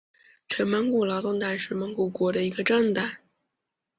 全蒙古劳动党是蒙古国的一个政党。